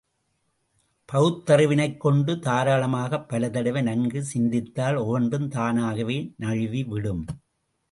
பகுத்தறிவினைக் கொண்டு தாராளமாகப் பலதடவை நன்கு சிந்தித்தால் ஒவ்வொன்றும் தானாகவே நழுவி விடும்.